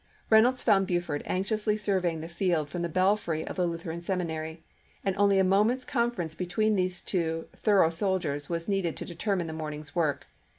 Reynolds found Buford anx iously surveying the field from the belfry of the Lutheran seminary, and only a moment's confer ence between these two thorough soldiers was needed to determine the morning's work.